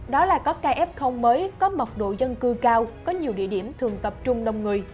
đó là có ca ép không mới có mật độ dân cư cao có nhiều địa điểm thường tập trung đông người